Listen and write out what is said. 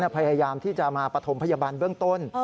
พยายามที่จะมาปฐมพยาบาลเบื้องต้น